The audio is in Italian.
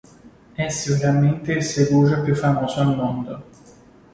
È sicuramente il segugio più famoso al mondo.